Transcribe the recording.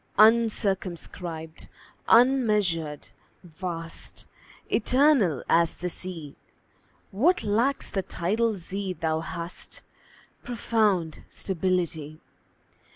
UNCIRCUMSCRIBED, unmeasured, vast, Eternal as the Sea; What lacks the tidal sea thou hast Profound stability.